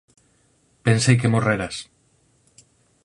Pensei que morreras.